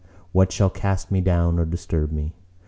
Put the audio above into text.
What shall cast me down or disturb me?